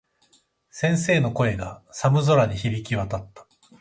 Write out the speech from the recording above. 先生の声が、寒空に響き渡った。